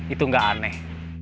itu gak aneh